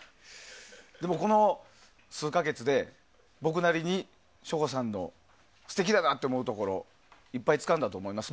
でも、この数か月で僕なりに省吾さんの素敵だなと思うところをいっぱいつかんだと思います。